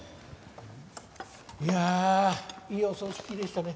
いやあいいお葬式でしたね。